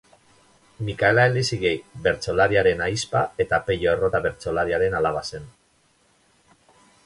Mikaela Elizegi bertsolariaren ahizpa eta Pello Errota bertsolariaren alaba zen.